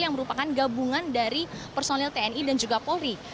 yang merupakan gabungan dari personil tni dan juga polri